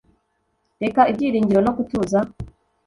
Reka ibyiringiro no gutuza